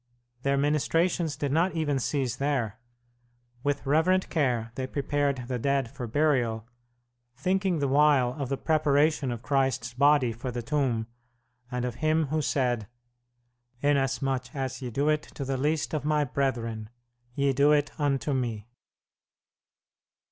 Their ministrations did not even cease there. With reverent care they prepared the dead for burial, thinking the while of the preparation of Christ's body for the tomb, and of Him who said: "Inasmuch as ye do it to the least of My brethren ye do it unto Me."